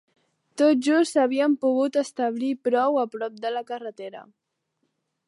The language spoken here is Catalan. Tot just s'havien pogut establir prou a prop de la carretera